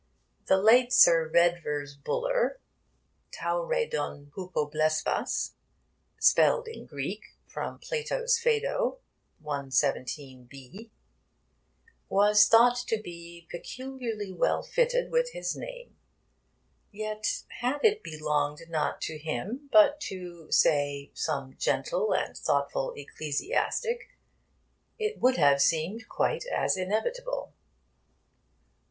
The late Sir Redvers Buller, tauredon hupoblepsas [spelled in Greek, from Plato's Phaedo 117b], was thought to be peculiarly well fitted with his name. Yet had it belonged not to him, but to (say) some gentle and thoughtful ecclesiastic, it would have seemed quite as inevitable.